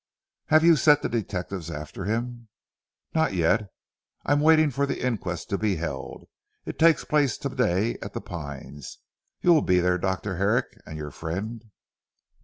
"Have you set the detectives after him?" "Not yet. I am waiting until the inquest is held. It takes place to day at 'The Pines.' You will be there Dr. Herrick, and your friend?"